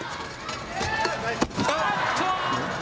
あっと！